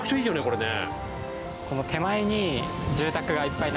これね。